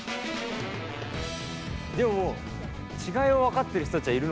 でももう違いを分かってる人たちはいるのかな。